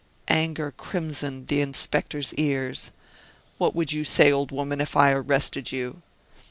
Anger crimsoned the inspector's ears. "What would you say, old woman, if I arrested you?"